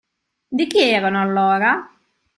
Di chi erano, allora?